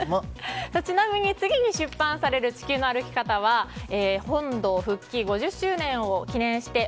ちなみに次に出版される「地球の歩き方」は本土復帰５０周年を記念して